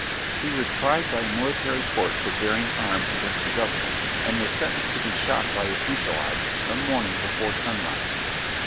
He was tried by a military court for bearing arms against the government, and sentenced to be shot by a fusillade some morning before sunrise.